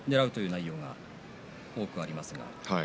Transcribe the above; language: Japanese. それが多くありますね。